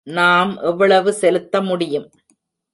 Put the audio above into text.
நாம் எவ்வளவு செலுத்த முடியும்?